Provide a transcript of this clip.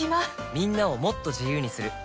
みんなをもっと自由にする「三菱冷蔵庫」